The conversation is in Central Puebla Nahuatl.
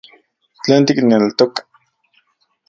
¿Tlen tikneltoka...?